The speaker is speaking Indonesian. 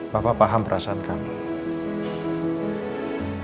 papa paham perasaan kamu